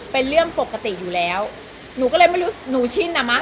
เป็นเรื่องปกติอยู่แล้วหนูก็เลยไม่รู้หนูชินอ่ะมั